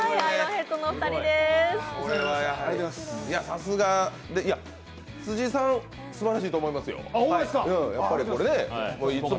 さすが、辻井さん、すばらしいと思いますよ。